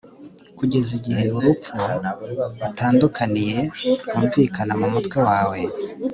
kugeza igihe urupfu utandukaniye rwumvikana mumutwe wawe